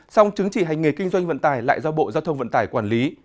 xong chứng chỉ hành nghề kinh doanh vận tài lại do bộ giao thông vận tài quản lý